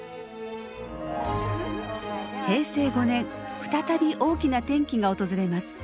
平成５年再び大きな転機が訪れます。